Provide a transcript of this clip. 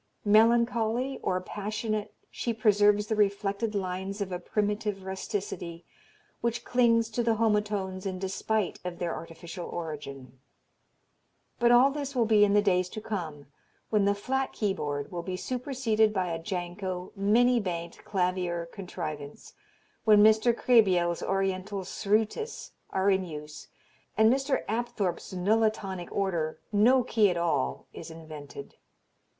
Melancholy or passionate she preserves the reflected lines of a primitive rusticity, which clings to the homotones in despite of their artificial origin." But all this will be in the days to come when the flat keyboard will be superseded by a Janko many banked clavier contrivance, when Mr. Krehbiel's oriental srootis are in use and Mr. Apthorp's nullitonic order, no key at all, is invented.